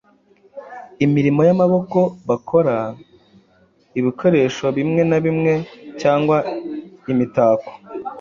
imirimo y’amaboko bakora ibikoresho bimwe na bimwe cyangwa imitako.